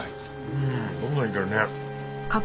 うんどんどんいけるね。